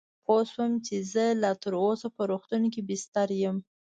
پوه شوم چې زه لا تراوسه په روغتون کې بستر یم.